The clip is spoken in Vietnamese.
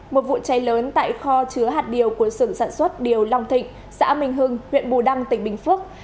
một vụ cháy lớn tại kho chứa hạt điều của sưởng sản xuất điều long thịnh xã minh hưng huyện bù đăng tỉnh bình phước